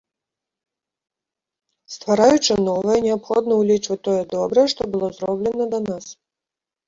Ствараючы новае, неабходна ўлічваць тое добрае, што было зроблена да нас.